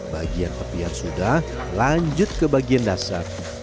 bagian tepian sudah lanjut ke bagian dasar